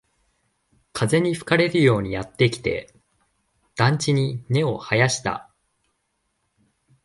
風に吹かれるようにやってきて、団地に根を生やした